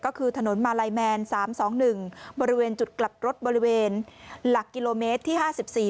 ก็คือถนนมาลัยแมน๓๒๑บริเวณจุดกลับรถบริเวณหลักกิโลเมตรที่ห้าสิบสี่